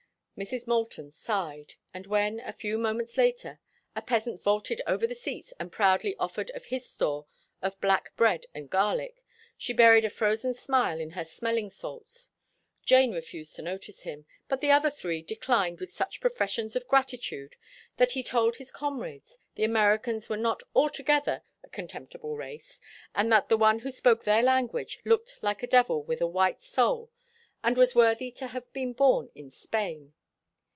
Mrs. Moulton sighed, and when, a few moments later, a peasant vaulted over the seats and proudly offered of his store of black bread and garlic, she buried a frozen smile in her smelling salts. Jane refused to notice him, but the other three declined with such professions of gratitude that he told his comrades the Americans were not altogether a contemptible race, and that the one who spoke their language looked like a devil with a white soul and was worthy to have been born in Spain.